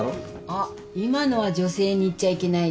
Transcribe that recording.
あっ今のは女性に言っちゃいけないよね。